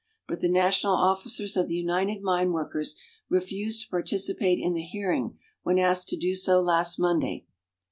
But the national officers of the United Mine Workers refused to participate in the hearing, when asked to do so last Monday.